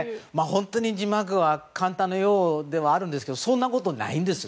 本当に字幕は簡単なようではあるんですけどそんなことないんです。